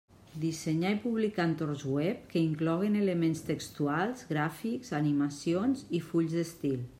Dissenyar i publicar entorns web que incloguen elements textuals, gràfics, animacions i fulls d'estil.